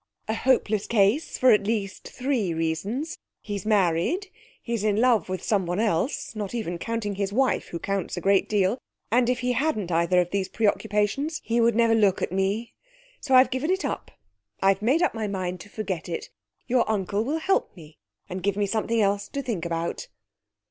A hopeless case for at least three reasons: he's married, he's in love with someone else (not even counting his wife, who counts a great deal) and, if he hadn't either of these preoccupations, he would never look at me. So I've given it up. I've made up my mind to forget it. Your uncle will help me, and give me something else to think about.'